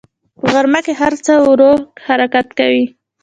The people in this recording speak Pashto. په غرمه کې هر څه ورو حرکت کوي